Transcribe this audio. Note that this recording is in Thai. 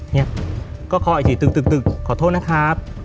เนี่ยก็ขอให้ฉีดตึกขอโทษนะครับ